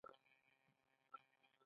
څنګه کولی شم انزیتي کمه کړم